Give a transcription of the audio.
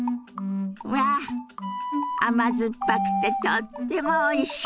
うわ甘酸っぱくてとってもおいしい！